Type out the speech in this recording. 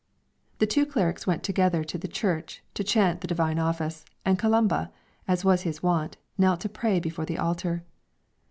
The two clerics went together to the Church to chant the Divine Office, and Columba, as was his wont, knelt to pray before the altar.